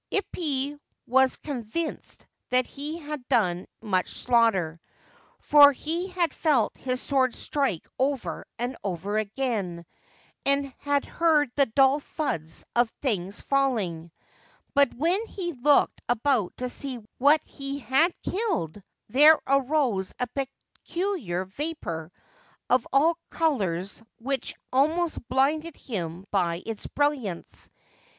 Ippai was convinced that he had done much slaughter, for he had felt his sword strike over and over again, and had heard the dull thuds of things falling ; but when he looked about to see what he had killed there arose a peculiar vapour of all colours which almost blinded him by its brilliance.